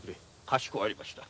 かしこまりました。